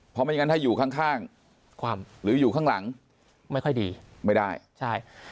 เพราะไม่งั้นถ้าอยู่ข้างข้างหรืออยู่ข้างหลังไม่ค่อยดีไม่ได้ใช่